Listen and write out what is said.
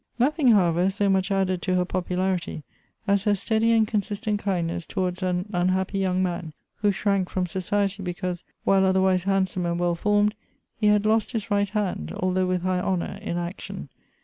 Nothing, however, so much added to her ])opularity as her steady and consistent kindness towards an unhappy young man, who shrank from society because, while other wise handsome and well formed, he had lost his right hand, although with higli honor, in action.